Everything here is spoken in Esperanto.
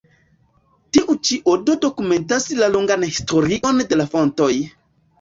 Tiu ĉi odo dokumentas la longan historion de la fontoj.